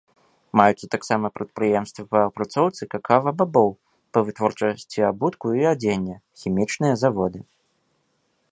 Маюцца таксама прадпрыемствы па апрацоўцы какава-бабоў, па вытворчасці абутку і адзення, хімічныя заводы.